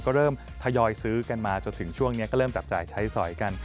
ก็เริ่มทยอยซื้อกันมาจนถึงช่วงนี้ก็เริ่มจับจ่ายใช้สอยกัน